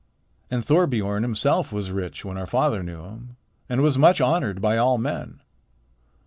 And Thorbiorn himself was rich when our father knew him, and was much honored by all men.